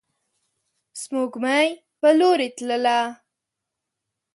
د سپوږمۍ په لوري تلله